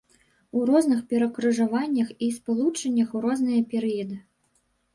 У розных перакрыжаваннях і спалучэннях у розныя перыяды.